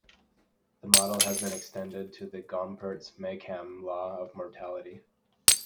The model has been extended to the Gompertz-Makeham law of mortality.